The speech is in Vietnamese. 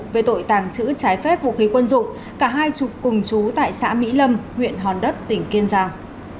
về tội tàng trữ trái phép vũ khí quân dụng cả hai chục cùng chú tại xã mỹ lâm huyện hòn đất tỉnh kiên giang